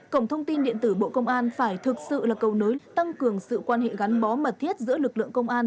cổng thông tin điện tử bộ công an phải thực sự là cầu nối tăng cường sự quan hệ gắn bó mật thiết giữa lực lượng công an